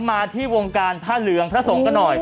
มาที่วงการพระเหลืองพระส่งกระหน่อย